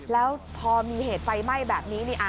แล้วพอมีเหตุไฟไหม้แบบนี้